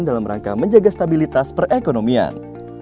dalam rangka menjaga stabilitas perekonomian